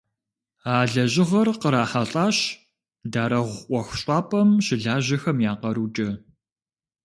А лэжьыгъэр кърахьэлӀащ «Дарэгъу» ӀуэхущӀапӀэм щылажьэхэм я къарукӀэ.